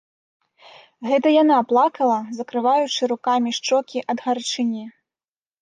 Гэта яна плакала, закрываючы рукамі шчокі ад гарачыні.